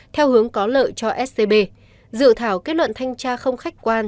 theo hướng có lợi cho scb dự thảo kết luận thanh tra không khách quan